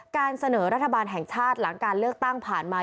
การเสนอรัฐบาลแห่งชาติหลังการเลือกตั้งผ่านมา